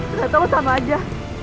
ternyata lu sama aja